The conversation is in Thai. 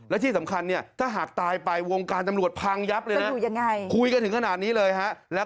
และที่สำคัญถ้าหากตายไปวงการตำรวจพังยับเลยนะ